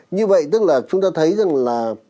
như vậy tức là chúng ta thấy rằng là